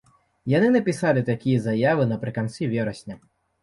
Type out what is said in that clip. Яны напісалі такія заявы напрыканцы верасня.